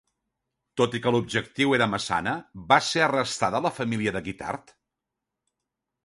Tot i que l'objectiu era Massana, va ser arrestada la família de Guitart?